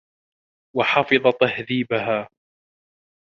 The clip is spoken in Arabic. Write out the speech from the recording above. وَحَفِظَ تَهْذِيبَهَا